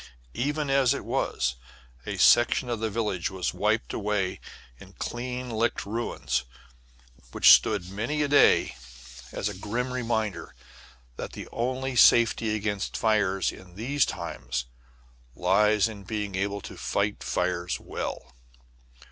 And even as it was, a section of the village was wiped away in clean licked ruins, which stood for many a day as a grim reminder that the only safety against fires in these times lies in being able to fight fires well.